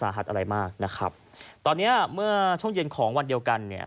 หัสอะไรมากนะครับตอนเนี้ยเมื่อช่วงเย็นของวันเดียวกันเนี่ย